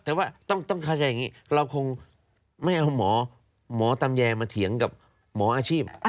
แต่ว่าต้องเข้าใจอย่างนี้เราคงไม่เอาหมอหมอตำแยมาเถียงกับหมออาชีพ